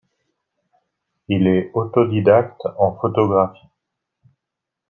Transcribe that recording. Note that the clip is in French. Il est autodidacte en photographie.